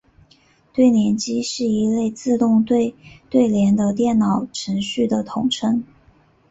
对联机是一类可以自动对对联的电脑程序的统称。